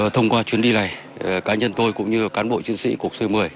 thông qua chuyến đi này cá nhân tôi cũng như cán bộ chiến sĩ cục c một mươi